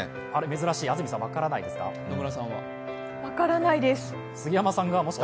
珍しい、安住さん分からないですか。